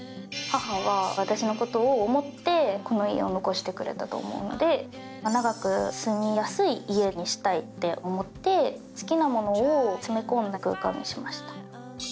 母は私のことを思ってこの家を残してくれたと思うので長く住みやすい家にしたいって思って好きなものを詰め込んだ空間にしました。